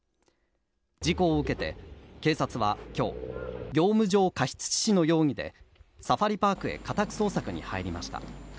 事故を受けて、警察はきょう、業務上過失致死の容疑でサファリパークへ家宅捜索に入りました。